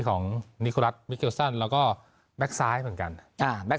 ของนิโครัตวิกเกลสันแล้วก็แบคซ้ายเหมือนกันอ่าแบ๊ก